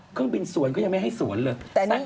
เครื่องบินสวนก็ยังไม่ให้สวนเลย